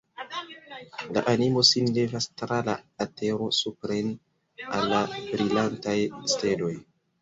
La animo sin levas tra la etero supren, al la brilantaj steloj!